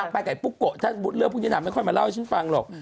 ไปกับปุ๊กโกะถ้าสมมุติเรื่องพวกนี้นางไม่ค่อยมาเล่าให้ฉันฟังหรอก